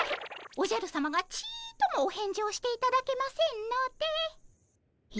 おじゃるさまがちっともお返事をしていただけませんので。